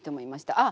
あっ！